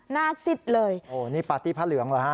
น่าสิทธิ์เลยโอ้โหนี่ปาร์ตี้พระเหลืองเหรอฮะ